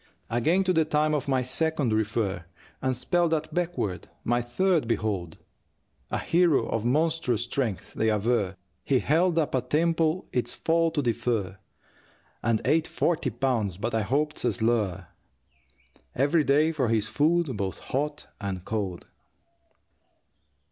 Again to the time of my second refer, And spell that backward, my third behold A hero of monstrous strength. They aver He held up a temple its fall to defer, And ate forty pounds (but I hope 'tis a slur) Every day for his food, both hot and cold.